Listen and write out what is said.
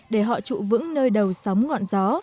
để họ trụ vững nơi đầu sóng ngọn gió